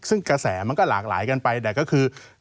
ซึ่งกระแสมันก็หลากหลายกันไปแต่ก็คือ